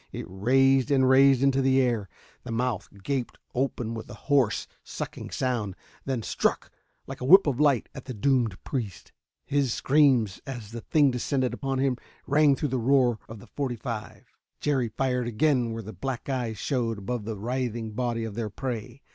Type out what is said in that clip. It raised and raised into the air. The mouth gaped open with a hoarse, sucking sound, then struck, like a whip of light, at the doomed priest. His screams, as the thing descended upon him, rang through the roar of the forty five. Jerry fired again where the black eyes showed above the writhing body of their prey.